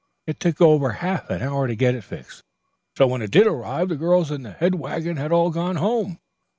It took over half an hour to get it fixed, so when it did arrive the girls in the head wagon had all gone home.